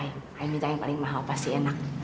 ayam minta yang paling mahal pasti enak